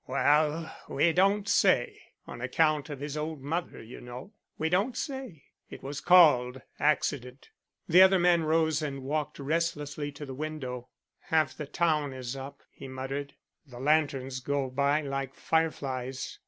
"Wa'al we don't say; on account of his old mother, you know, we don't say. It was called accident." The other man rose and walked restlessly to the window. "Half the town is up," he muttered. "The lanterns go by like fire flies.